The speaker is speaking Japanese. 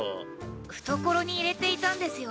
懐に入れていたんですよ。